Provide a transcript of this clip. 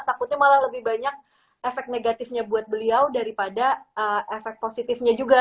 takutnya malah lebih banyak efek negatifnya buat beliau daripada efek positifnya juga